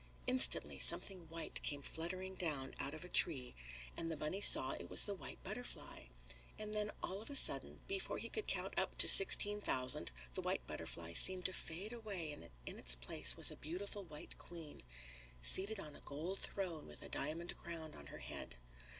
Instantly something white came fluttering down out of a tree, and the bunny saw it was the white butterfly. And then, all of a sudden, before he could count up to sixteen thousand, the white butterfly seemed to fade away and in its place was a beautiful White Queen, seated on a golden throne with a diamond crown on her head.